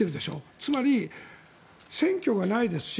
つまり選挙がないですし